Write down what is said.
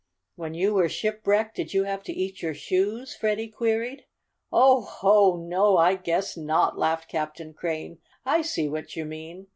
"When you were shipwrecked did you have to eat your shoes?" Freddie queried. "Oh, ho! No, I guess not!" laughed Captain Crane. "I see what you mean.